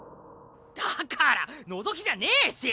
だからのぞきじゃねぇし！